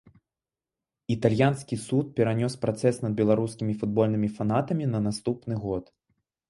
Італьянскі суд перанёс працэс над беларускімі футбольнымі фанатамі на наступны год.